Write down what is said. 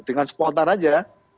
dengan spontan saja